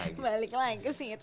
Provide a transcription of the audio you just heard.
balik lagi kesitu